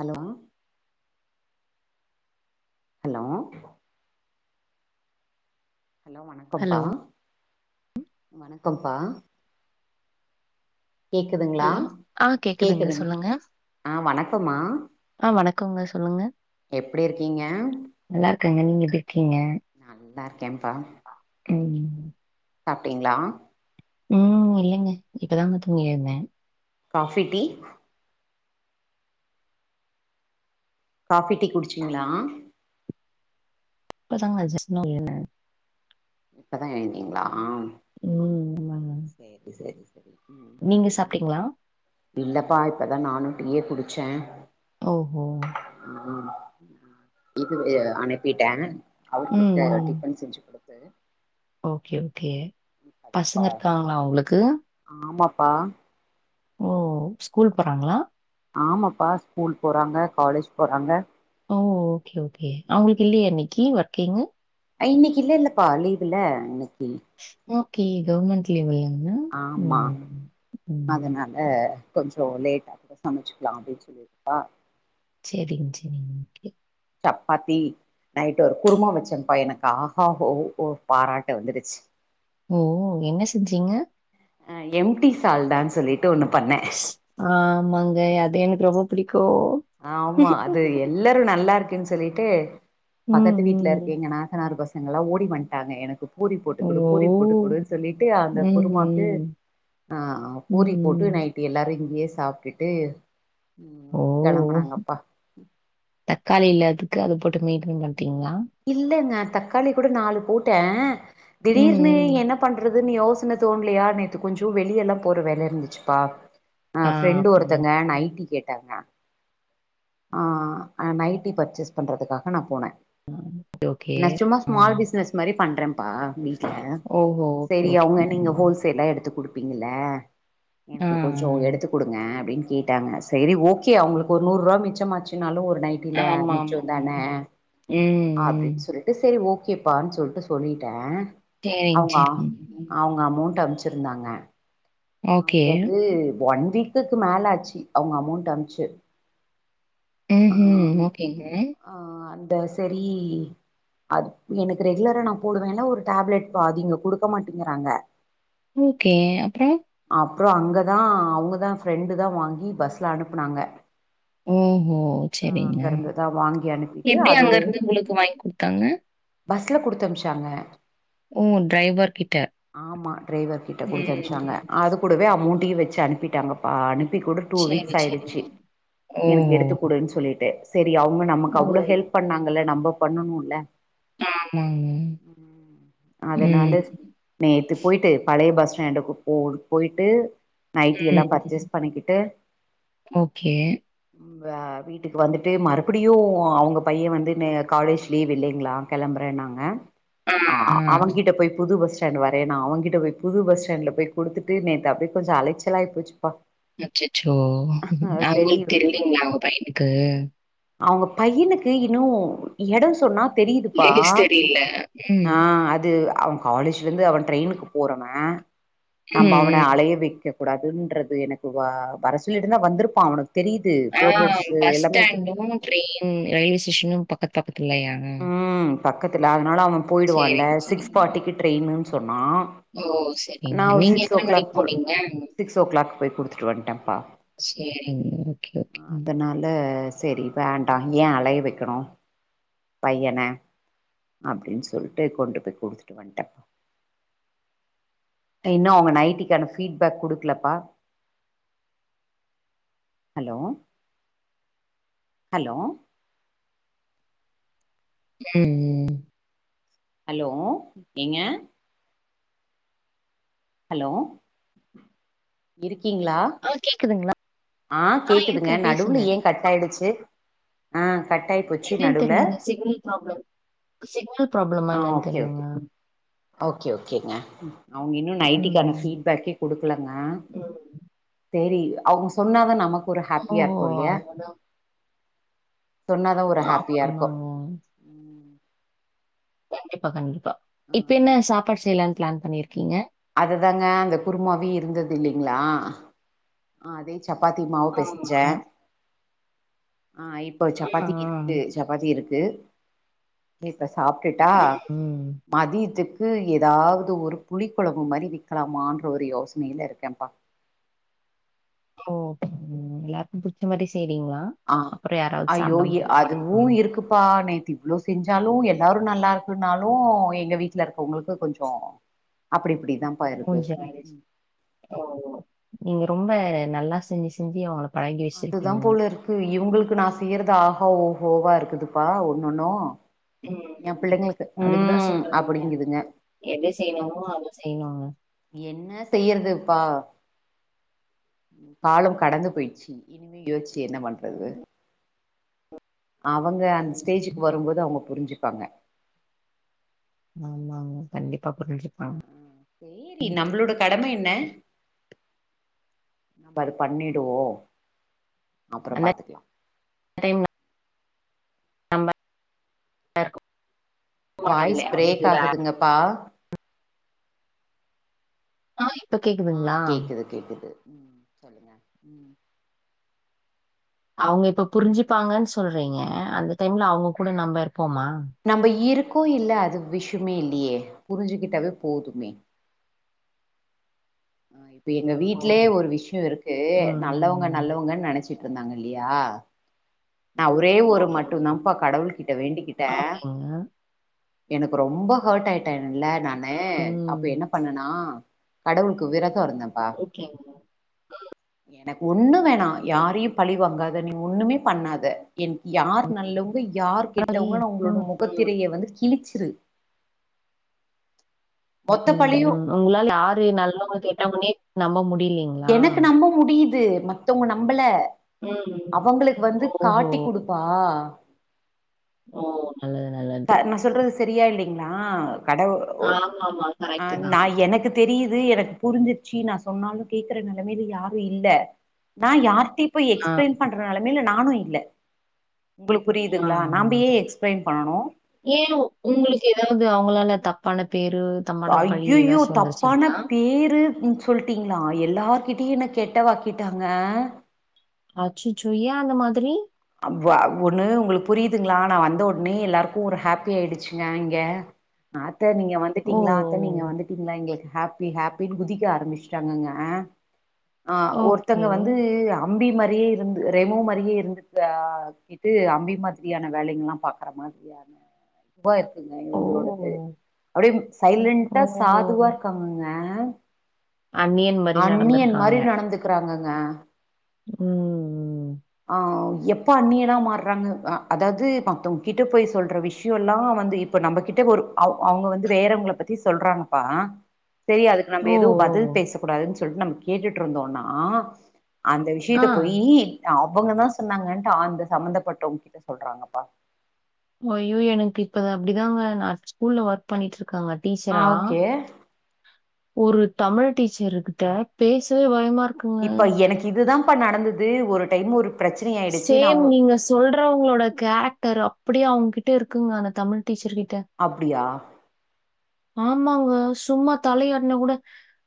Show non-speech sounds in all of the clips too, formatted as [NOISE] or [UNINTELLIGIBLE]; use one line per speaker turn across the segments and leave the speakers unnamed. Allow hello hello
hello
வணக்கம்ப்பா வணக்கம்ப்பா கேக்குதுங்ளா
ஹலோ ஆ கேக்குதுங்க
கேக்குதுங்
சொல்லுங்க
ஆ வணக்கம்மா
ஆ வணக்கங்க சொல்லுங்க
எப்டி இருக்கீங்க
நல்லா இருக்கங்க நீங்க எப்டி இருக்கீங்க
நல்லா இருக்கேம்ப்பா
ஆ ம்
சாப்ட்டீங்ளா
ம் இல்லைங்க இப்பதாங்க தூங்கி எழுந்தே
காஃபி, டீ காஃபி டீ குடிச்சீங்ளா
இப்ப தாங்க ஜஸ்ட் நௌ எழுந்தே
இப்பதா எழ்ந்தீங்ளா
ம் ஆமாங்க
சேரி சேரி சேரி ம்
நீங்க
இப்ப [INAUDIBLE]
சாப்ட்டீங்களா
இல்லப்பா இப்பதா நானு டீய குடிச்சே
ஓஹோ
ம் ம் இதுவு எ அனுப்பிட்டோ அவுருக்
ம்
இப்ப
ம்
டிஃபன் செஞ்சு குடுத்து
ஓகே ஓகே
இப்பதான்ப்பா
பசங்க இருக்காங்களா உங்ளுக்கு
ஆமாப்பா
ஓ ஸ்கூல் போறாங்ளா
ஆமாப்பா ஸ்கூல் போறாங்க காலேஜ் போறாங்க
ஓ ஓகே ஓகே அவுங்களுக் இல்லியா இன்னிக்கி ஒர்க்கிங்கு
அ இன்னைக் இல்ல இல்லப்பா லீவுல்ல இன்னைக்கி
ஓகே கவர்மெண்ட் லீவுல்லங்க ம் ம்
அ கொஞ்சோ லேட்டா கூட சமச்சுக்கலா அப்டின் சொல்லிட் தா
சேரிங் சேரிங் ஓகே
சப்பாத்தி நைட்டு ஒரு குருமா வெச்சேம்ப்பா எனக்கு ஆஹா ஓஹோ பாராட்டு வந்துடுச்சு
ஓ என்ன செஞ்சீங்க
ஆ எம்டி சால்னான் சொல்லிட்டு ஒன்னு பண்ணே
ஆமாங்க அது எனக்கு ரொம்போ புடிக்கு
ஆமா அது எல்லாரு நல்லாருக்குன் சொல்லிட்டு
ம்,
பக்கத்து வீட்லருக்
ம்.
எங்க நாத்தானரு பசங்க எல்லா ஓடி வந்ட்டாங்க எனக்கு பூரி
ஓ!
போட்டுக்குடு பூரி போட்டுக்குடுன்னு சொல்லிட்டு அந்த
ம்,
குருமாக்கு
ம்.
ஆ
ம்,
பூரி போட்டு
ம்.
நைட்டு எல்லாரு இங்கேயே சாப்ட்டுட்டு
ஓ
ம்
ஓ
கெளம்புனாங்கப்பா
தக்காளி இல்லாதுக்கு அத போட்டு மெயின்டென் பண்ட்டிங்களா
இல்லங்க தக்காளி கூட நாலு போட்டே
ம்,
திடீர்னு
ம்.
என்னப் பண்றதுனு யோசன தோண்லையா நேத்து கொஞ்சோ வெளிய எல்லா போற வேல இருந்துச்சுப்பா ஆ ஃப்ரெண்டு
ம்.
ஒருத்தங்க நைட்டி கேட்டாங்க ஆ நைட்டி பர்ச்சேஸ் பண்றதுக்காக நா போனே
ஓகே, ஓகே.
ந சும்மா
ஆ.
ஸ்மால் பிஸ்னஸ் மாரி பண்றேப்பா வீட்ல
ஓஹோ! ஓகே,
சேரி
ஓகே.
அவுங்க நீங்க
ம்.
ஹோல்சேலா எடுத்து குடு ப்பீங்கல்ல
ஆ,
எனக்கு கொஞ்சோ எடுத்து குடுங்க அப்டின்னு கேட்டாங்க செரி ஓகே அவுங்களுக்கு ஒரு நூறு ரூவா மிச்சம் ஆச்சுனாலு ஒரு நைட் டில
ஆ. ஆமாமா.
மிச்சோந்தான
ம், ம்.
அப்டின்னு சொல்லிட் டு செரி ஓகேப்பான்னு சொல்ட்டு சொல்லிட்டே
சரிங்க,
அவுங்கா
சரிங்க. ம்.
அவுங்க அமௌண்ட் அம்ச்சிருந்தாங்க
ஓகே.
அது வந்து ஒன் வீக் க்கு மேல ஆச்சி அவுங்க அமௌண்ட் அம்ச்சு
ம் ஹும் ஓகேங்க
ஆ அந்த செரி அது எனக்கு ரெகுலரா நா போடுவேலா ஒரு டேப்லெட் பாதி இங்க குடுக்க மாட்டேங்கிறாங்க
ஓகே அப்பறோ
அப்பறோ அங்க தா அவுங்க தா ஃப்ரெண்டு தா வாங்கி பஸ்ல அனுப்புனாங்க
ம் ஹூ
ஆ
செரிங்க
அங்க இருந்துதா வாங்கி அனுப்பிட்டு
எப்டி அங்க
அதோட
இருந்து உங்களுக்கு வாங்கி குடுத்தாங்க
பஸ்ல குடுத்து அம்ச்சாங்க
ஓ! டிரைவர் கிட்ட.
ஆமா டிரைவர் கிட்ட குடுத்து அனுப்சாங்க
ம்.
அது கூடவே அமௌண்ட்டையு வச்சு அனுப்பிட்டாங்க பா அனுப்பி கூட டூ
சரி,
வீக்ஸ்
சரி.
ஆயிடுச்சு எனக்கு
ஓஹோ!
எடுத்துக்குடுன்னு சொல்லிட்டு செரி அவுங்க நமக்கு
ஓ!
அவ்ளோ ஹெல்ப் பண்ணாங்கல்ல நம்ம பண்ணணுல
ஆமாங்க.
அதுனாலு
ம்.
ஸ் நேத்து போய்ட்டு பழைய பஸ்ஸ்டாண்ட்டுகு கூடு போய்ட்டு நைட்டி எல்லா
ம்.
பர்ச்சேஸ் பண்ணிக்கிட்டு
ஓகே
இவ் வேவி வீட்டுக்கு வந்துட்டு மறுபடியு அவுங்க பையே வந்து மே காலேஜ் லீவ் இல்லிங்களா கெளம்புறேனாங்க ஆ அவுங்கிட்ட போய் புது பஸ் ஸ்டாண்டு வரேனா அவுங்கிட்ட போய் புது பஸ் ஸ்டாண்ட்ல போய் குடுத்துட்டு நேத்து அப்டி கொஞ்சோ அலைச்சலாகி போச்சுப்பா
அச்சச்சோ
ஆ செரி
அவுங்களுக் தெரிலீங்களா அவுங்க பையனுக்கு
அவுங்க பையனுக்கு இன்னு எடோ சொன்னாப் தெரிதுப்பா
லேடிஸ் தெரியல. ம்.
ஆ அது அவுங்க காலேஜ்லருந்து அவ ட்ரெயினுக்கு போறவே
ம்,
நம்ப அவன
ம்.
அலைய வெக்க கூடாதுன்றது எனக்கு வா வர சொல்லிட்ருந் தா வந்திருப்பா அவனுக்கு தெரியுது
ஆ
ஃபோர் ரோட்ஸ்சு
பஸ்
எல்லாமே தெ
ஸ்டாண்டும், ட்ரெயின் ரயில்வே ஸ்டேஷனு பக்கத் பக்கத்துலயா
ம் பக்கத்துல அதனால அவே போயிடுவான்ல
சரிங்க,
சிக்ஸ்
சரிங்க.
ஃபார்ட்டிக்கி ட்ரெயின்னு சொன்னா
ஓ செ
நா ஒரு சிக்ஸ் ஓ கிளாக் போ சிக்ஸ் ஓ கிளாக் போய் குடுத்துட்டு வந்துட்டேப்பா
சேரிங் ஓகே ஓகே ம்
அதனால சேரி வேண்டா ஏ அலைய வெக்கணு பையன அப்டின்னு சொல்ட்டு கொண்டு போய் குடுத்துட்டு வந்ட்டே இன்னு அவுங்க நைட்டிக்கான பீட்பேக் குடுக்லப்பா ஹலோ ஹலோ
ம் ம்
ஹலோ ஏங்க ஹலோ இருக்கீங்ளா
ஆ கேக்குதுங்களா?
ஆ கேக்குதுங்க
இருக்குங்க
நடுவுல
பேசுங்க.
ஏ கட் ஆயிடுச்சி
என்னன் தெர்லங்க சிக்னல் ப்ராப்ளம் சிக்னல் ப்ராப்ளமா
ஆ
என்னன்
ஓகே ஓகே
தெர்லங்க
ஓகே ஓகேங்க அவுங்க இன்னு
ம்.
நைட்டிக்கான ஃபீட்பேக்கே குடுக்லங்க
ம்.
சேரி அவுங்க சொன்னா தா நமக் ஒரு
ஓஹோ!
ஹாப்பியா இருக்கு இல்யா
அவுங்கதான்.
சொன்னாதா ஒரு
ஆமா,
ஹாப்பியா இருக்கு
ஆமாங்க.
ம்
கண்டிப்பா கண்டிப்பா
ஆ,
இப்ப என்ன சாப்பாடு செய்லான் பிளான் பண்ணிர்க்கீங்க
அதுதாங்க அந்த குருமாவே இருந்தது இல்லீங்ளா அதே சப்பாத்தி மாவு பெசஞ்சே
ஆமா.
ஆ இப்ப
ஆ.
சப்பாத்திக்கு இருக்கு சப்பாத்தி இருக்கு இப்ப சாப்டுட்டா
ம்.
மதியத்துக்கு எதாது ஒரு புளி கொழம்பு மாரி வெக்லாமான்ற ஒரு யோசனைல இருக்கேபா
ஓ ஓகேங்க எல்லாருக்கு புடிச்ச மாரியே செய்றீங்களா
ஆ
அப்புறம் யாராவது
அய்யோ
சாப்பிடாம
அதுவு
போயிருப்பாங்களா?
இருக்குப்பா நேத்தி இவ்ளோ செஞ்சாலு எல்லாரு நல்லா இருக்குன்னாலு எங்க வீட்ல இருக்கவங்களுக்கு கொஞ்சோ அப்டி இப்டி தா
நீங்க ரொம்ப நல்லா செஞ்சி செஞ்சி அவங்கள பழகி
அதுதா
வச்சிருக்கீங்க.
போலர்க்கு இவுங்ளுக்கு நா செய்யறது ஆஹா ஓஹோவா இருக்குதுப்பா ஒன்னொன்னு
ம்.
ஏ பிள்ளைங்களுக்கு
அதுக்கு தான்
ம்
சொல்றதுங்க.
அப்டிங்குதுங்க
எது செய்ணுமோ அது செய்ணுங்க
என்ன செய்யறதுபா காலம் கடந்து பொய்ட்ச்சி இனிமே யோஷ்ச்சு என்ன பண்றது அவங்க அந்த ஸ்டேஜ்க்கு வரும்போது அவங்க புரிஞ்சிப்பாங்க
ஆமாங்க கண்டிப்பா புரிஞ்சி
ஆ ஆ சேரி நம்ளோட கடம என்ன நம்ம அது பண்ணிடுவோ அப்றோ
அந்த
பாத்துக்லா
[UNINTELLIGIBLE] நம்ப மாட்டோம்
வாய்ஸ்
இல்லையா? அவங்க
பிரேக்
கூட
ஆகுதுங்கபா
ஆ இப்ப
ஆ
கேக்குதுங்களா?
கேக்குது கேக்குது ம் சொல்லுங்க ம்
அவங்க இப்ப புரிஞ்சிப்பாங்கன்னு சொல்றிங்க அந்த டைம்ல அவங்க கூட நம்ம இருப்போமா
நம்ம இருக்கோ இல்ல அது விஷ்யமே இல்லயே புரிஞ்சிகிட்டாவே போதுமே ஆ இப்ப எங்க
ஓ!
வீட்லே ஒரு விஷ்யோ இருக்கு
ம்,
நல்லவங்க
ம்.
நல்லவங்கன்னு நெனச்சிட்ருந்தாங்க இல்லயா நா ஒரே ஒரு
ஓகேங்க.
மட்டுதாபா கடவுள் கிட்ட வேண்டிக்கிட்டே
ஓகேங்க.
எனக்கு ரொம்ப ஹார்ட் ஆயிட்டேன்ல நானு அப்ப
ம்.
என்ன பண்ணனா கடவுள்க்கு விரதோ இருந்தேப்பா
ஓகேங்க.
எனக்கு ஒன்னு வேனா யாரையு பழிவாங்காத நீ ஒன்னுமே பண்ணாது எனக்கு யார் நல்லவங்க யார்
பரவாயில்லையே!
கெட்டவங்கனு அவங்களோட
ம்,
மொகத்திரைய வந்து கிழிச்சிரு மொத்த
ம்
பழியும்
ம் ஒங்களால யாரு நல்லவங்க கெட்டவங்னே நம்ப முடியலீங்
எனக்கு நம்ப முடியிது மத்தவங்க நம்பல
ம், ம்.
அவங்களுக்கு வந்து
ஓஹோ!
காட்டி குடு பா
ஓ நல்லது நல்
த நா சொல்றது செரியா இல்லிங்ளா கடவு
ஆமாமா.
அ
கரெக்ட்டு
நா
தான்.
எனக்கு தெரியுது எனக் புரிஞ்சிர்ச்சு நா சொன்னாலு கேக்குற நெலைமல யாரு இல்ல நா யார்ட்டிவ் போய்
ஆ.
எக்ஸ்ப்ளைன் பண்ற நலமைல நானு இல்ல உங்களுக் புரியுதுங்ளா நாம்பயே எக்ஸ்ப்ளைன் பண்ணனு
ஏ உங்குளுக்கு எதாவ்து அவுங்களால தப்பான பேரு தப்பான பழி
ஐயுய்யு
ஏதாச்சும்
தப்பான
வந்துருச்சுங்களா?
பேரு சொல்ட்டிங்ளா எல்லார்கிட்டியு என்ன கெட்ட வாக்கிட்டாங்க
அச்சுச்சோ ஏ அந்த மாதுரி
அ வ் வ ஒன்னு உங்குளுக் புரியுதுங்ளா நா வந்த ஒட்னே எல்லாருக்கு ஒரு ஹாப்பி ஆயிடுச்சிங்க இங்க அத நீங்க வந்
ஓ!
ந்துட்டீங்ளா அத்த நீங்க வந்துட்டீங்ளா எங்ளுக்கு ஹாப்பி ஹாப்பினு குதிக்க ஆரமிச்ட்டாங்கங்க ஆ ஒர்த்தங்க
ஓகே.
வந்து அம்பி மாரியே இருந்து ரெமோ மாரியே இருந்து த கிட்டு அம்பி மாத்ரியான வேலங்ல்லா பாக்குற மாத்ரியான வா இருக்குங்க
ஓ!
இவுங்ளோடது அப்டே சைலன்ட்டா
ஓஹோ!
சாதுவாருக் காங்கங்க
அந்நியன் மாரி
அந்நியன்
நடந்திருக்காங்க.
மாரி நடந்துக்குறாங்க
ம்
ஆ வ் எப்ப அந்நியனா மாற்றாங்க அதாவ்து மத்தவுங் கிட்ட போய் சொல்ற விஷ்யோலா வந்து இப்ப நம்பக்கிட்ட ஒரு அவ் அவ்ங்க வந்து வேறவுங்கள பத்தி சொல்றாங்கப்பா செரி அதுக்கு நம்ப
ஓ! ஓ!
எதுவு பதில் பேச கூடாதுன் சொல்ட்டு நம்ப கேட்டுட்ருந்தோனா அந்த
ஆ.
வஷியத்த போயி அவுங்கதா சொன்னாங்கன்ட்டு ஆந்த சம்மந்தப்பட்டவ்ங் கிட்ட சொல்றாங்கப்பா
ஒய்யோ எனக்கு இப்பத அப்டிதாங்க நா ஸ்கூல்ல ஒர்க் பண்ணிட் இர்க்கங்க
ஆ
டீச்சரா
ஓகே.
ஒரு தமிழ் டீச்சருக்குட்ட பேசவே பயமா இருக்குங்
இப்ப எனக்கு இதுதாப்பா நடந்துது ஒரு டைம் ஒரு பிரச்சன ஆயிடுச்சுன் அவுங்க
சொல்றவுங்ளோட கேரக்டர் அப்புடியே அவுங்கிட்ட இருக்குங்க அந்த தமிழ் டீச்சர் கிட்ட
அப்டியா
ஆமாங்க சும்மா தலையாட்ன கூட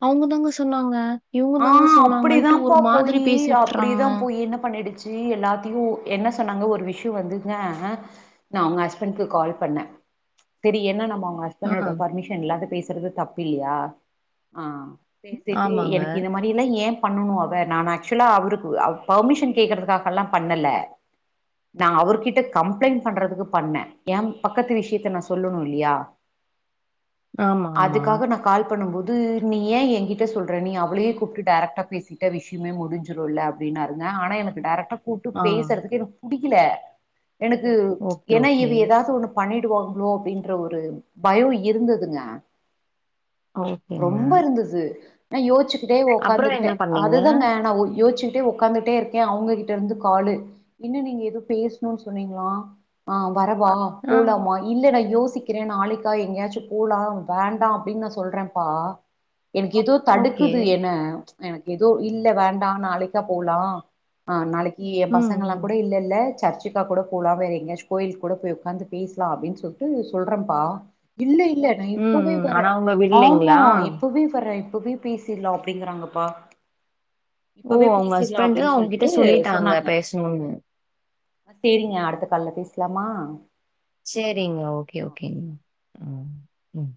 அவுங்கதாங்க சொன்னாங்க இவங்க
ஆ
தாங்க சொன்னாங்கன்ட்டு ஒரு
அப்புடித்தாம்ப்பா
மாதிரி
போயி
பேசி
அப்புடிதா
விட்டுறாங்க
போய் என்ன பண்ணிடுச் ஜி எல்லாத்தியு என்ன சொன்னாங்க ஒரு விஷ்யு வந்துங்க நா உங்க ஹஸ்பண்க்கு கால் பண்ண செரி என்ன நம்ம அவுங்க
ஆ
ஸ்பண்டோட பர்மிஷன் இல்லாத பேசுறது தப்புல்யா அ பேசிட்டு
ஆமாங்க
எனுக் மரி எல்லா ஏ பண்ணனு அவ நான் ஆக்சுவலா அவுருக்கு அ வ் பர்மிஷன் கேக்குறதுக்காகலா பண்ணல நா அவுர்கிட்ட கம்ப்ளைண் பண்றதுக்கு பண்ண ஏம் பக்கத்து வஷ்யத்த நா சொல்லுணு இல்லியா
ஆமா ஆமா
அதுக்காக நா கால் பண்ணம்போது நீ ஏ ஏங்கிட்ட சொல்ற நீ அவ் உளே கூப்ட்டு டேரக்ட்டா பேசிட்டா விஷ்யமே முடிஞ்சிருல்ல அப்டின்னாருங்க ஆனா எனக்கு டேரக்டா கூட்டு
ஆ
பேசற்துக்கு எனக்கு புடிக்கில எனக்கு
ஓகே
ஏன்னா
ஓகே
இது எதாது ஒன்னு பண்ணிடுவாங்ளோ அப்டின்ற ஒரு பயோ இருந்ததுங்க
ஓகேங்க
ரொம்ப இருந்துது நா யோச்சு டே
அப்புறம்
ஒக்காந்துக்குட்டே
என்ன பண்ணீங்க
அதுதங்க நா ஒ யோச்சுக்குட்டே ஒக் உக்காந்துட்டே இருக்கே அவுங்ககிட்டருந்து காலு என்ன நீங்க எதோ பேஸ்ணுன் சொன்னிங்ளா அ வரவா
ஆ
போலாமா இல்ல நா யோசிக்கிற நாளைக்கா எங்யாச்சு போலா வேண்டா அப்டின் நா சொல்றேம்பா எனக் எதோ தடுக்
ஓகே
அ எனக் எதோ இல்ல வேண்டா நாளைக்கா போலா அ நாளைக் ஏ
ம்
பசங்கல்லா
ம்
கூட இல்லல்ல சர்ச் சிக்கா கூட போலா வேற எங்கயாச்சு கோயிலுக் கூட போய் உக்காந்து பேசலா அப்டின் சொல்ட்டு சொல்றேம்பா இல்ல இல்ல நா
ம்
இப்பவே
ம்.
வரே
ஆனா அவங்க
ஆமா
விடலைங்களா
இப்பவே வரே இப்பவே பேசிர்லா அப்டிங்குறாங்கப்பா
ஓ
இப்பவே
அவங்க
பேசிர்லா
ஹஸ்பண்ட்
அப்டின்
அவங்க கிட்ட
சொல்ட்டு
சொல்லிட்டாங்க
சொன்னாங்க
பேசணும்னு
சேரிங்க அடுத்த கால்ல பேஸ்லாமா
சேரிங்க ஓகே ஓகேங்க ம் ம்